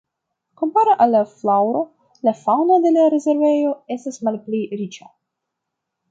Kompare al la flaŭro la faŭno de la rezervejo estas malpli riĉa.